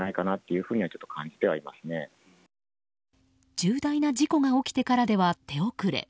重大な事故が起きてからでは手遅れ。